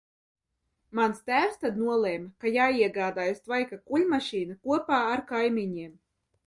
Mans tēvs tad nolēma, ka jāiegādājas tvaika kuļmašīna kopā ar kaimiņiem.